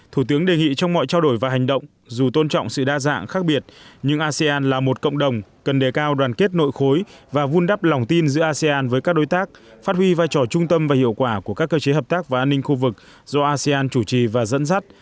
thủ tướng đề nghị trong mọi trao đổi và hành động dù tôn trọng sự đa dạng khác biệt nhưng asean là một cộng đồng cần đề cao đoàn kết nội khối và vun đắp lòng tin giữa asean với các đối tác phát huy vai trò trung tâm và hiệu quả của các cơ chế hợp tác và an ninh khu vực do asean chủ trì và dẫn dắt